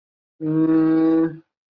阿尔然人口变化图示